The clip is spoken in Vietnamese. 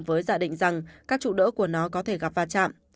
với giả định rằng các trụ đỡ của nó có thể gặp va chạm